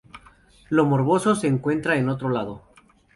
Lo morboso se encuentra en otro lado".